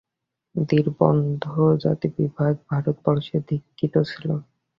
দৃঢ়বদ্ধ জাতিবিভাগও ভারতবর্ষে ধিক্কৃত ছিল।